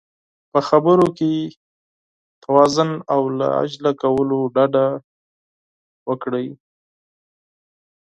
په خبرو کې توازن او له عجله کولو ډډه وکړئ.